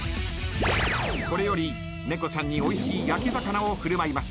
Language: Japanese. これより猫ちゃんにおいしい焼き魚を振る舞います。